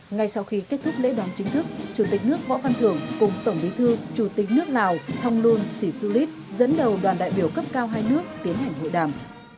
ngay sau khi kết thúc lễ đón chính thức chủ tịch nước võ văn thưởng cùng tổng bí thư chủ tịch nước lào thonglun sĩ xu lít dẫn đầu đoàn đại biểu cấp cao hai nước tiến hành hội đàm